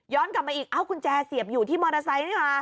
กลับมาอีกเอ้ากุญแจเสียบอยู่ที่มอเตอร์ไซค์นี่ค่ะ